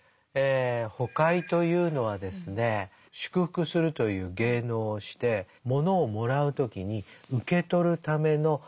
「ほかひ」というのはですね祝福するという芸能をしてものをもらう時に受け取るための入れ物なんですね。